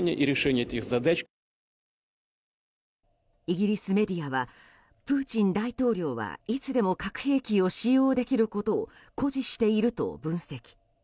イギリスメディアはプーチン大統領はいつでも核兵器を使用できることを誇示していると分析。